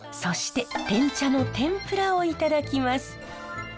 そしててん茶の天ぷらをいただきます。